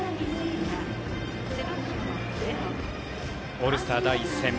オールスター第１戦。